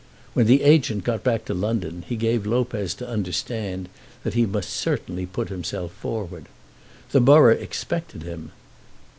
When the agent got back to London, he gave Lopez to understand that he must certainly put himself forward. The borough expected him.